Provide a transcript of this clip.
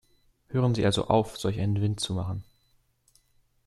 Hören Sie also auf, solch einen Wind zu machen.